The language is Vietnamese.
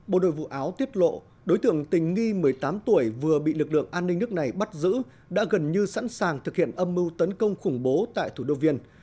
bộ đội vụ áo tiết lộ đối tượng tình nghi một mươi tám tuổi vừa bị lực lượng an ninh nước này bắt giữ đã gần như sẵn sàng thực hiện âm mưu tấn công khủng bố tại thủ đô viên